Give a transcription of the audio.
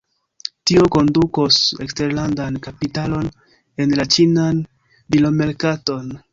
Tio kondukos eksterlandan kapitalon en la ĉinan bilomerkaton.